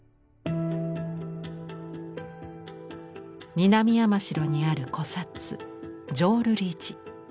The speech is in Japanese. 南山城にある古刹浄瑠璃寺。